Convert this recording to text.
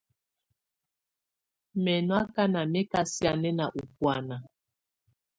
Mɛ̀ nɔ̀ akana mɛ̀ ka sianɛna ɔ̀ bɔ̀ána.